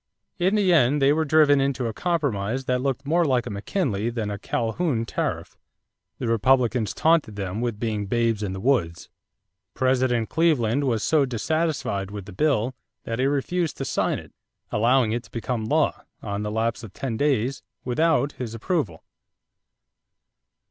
In the end they were driven into a compromise that looked more like a McKinley than a Calhoun tariff. The Republicans taunted them with being "babes in the woods." President Cleveland was so dissatisfied with the bill that he refused to sign it, allowing it to become a law, on the lapse of ten days, without his approval.